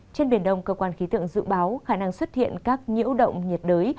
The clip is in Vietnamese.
trên biển đông cơ quan khí tượng dự báo khả năng xuất hiện các nhiễu động nhiệt đới